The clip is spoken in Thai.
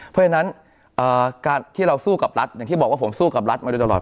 เพราะฉะนั้นการที่เราสู้กับรัฐอย่างที่บอกว่าผมสู้กับรัฐมาโดยตลอด